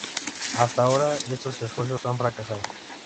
Hasta ahora estos esfuerzos han fracasado.